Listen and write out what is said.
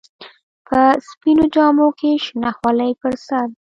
په سپينو جامو کښې شنه خولۍ پر سر.